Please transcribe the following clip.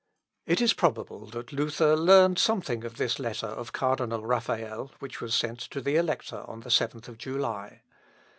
It is probable that Luther learned something of this letter of Cardinal Raphael, which was sent to the Elector on the 7th of July.